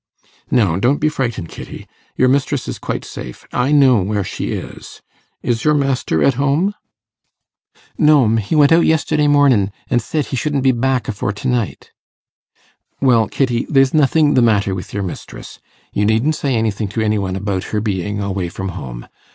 'No, don't be frightened, Kitty. Your mistress is quite safe; I know where she is. Is your master at home?' 'No 'm; he went out yesterday mornin', an' said he shouldn't be back afore to night.' 'Well, Kitty, there's nothing the matter with your mistress. You needn't say anything to any one about her being away from home.